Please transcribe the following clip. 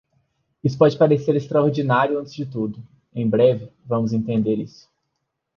Isso pode parecer extraordinário antes de tudo; em breve vamos entender isso.